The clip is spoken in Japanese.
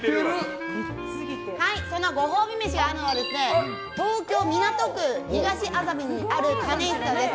そのご褒美飯があるのは東京・港区東麻布にあるかねいしさんです。